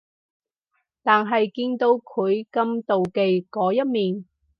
但係見到佢咁妒忌嗰一面